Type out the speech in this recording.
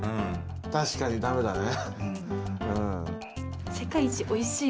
確かに駄目だね。